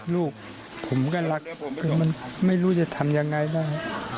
ลูกผมก็รักแต่มันไม่รู้จะทำอย่างไรได้